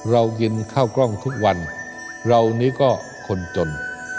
เรากินข้าวกล้องทุกวันเรานี่ก็คนจน